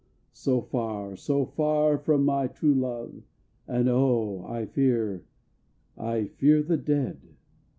So far, so far from my true love, And, oh! I fear, I fear the dead!